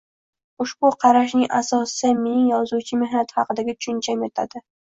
Ushbu qarashning asosida mening yozuvchi mehnati haqidagi tushuncham yotadi